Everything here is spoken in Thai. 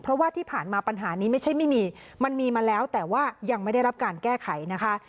เพราะว่าที่ผ่านมาปัญหานี้ไม่ใช่ไม่มีมันมีมาแล้วแต่ว่ายังไม่ได้รับการแก้ไขนะคะ